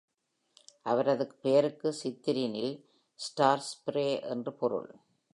அவரது பெயருக்கு சிந்தரினில் "ஸ்டார்-ஸ்ப்ரே" என்று பொருள்.